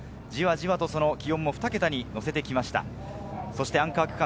じわじわと気温も２桁に乗せてきました。